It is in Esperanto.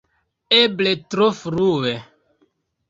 Eble tro frue!